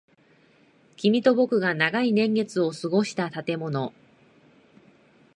君と僕が長い年月を過ごした建物。